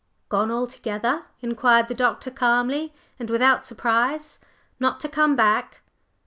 "Gone altogether?" inquired the Doctor calmly and without surprise, "Not to come back?"